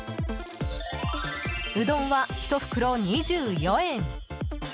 うどんは、１袋２４円。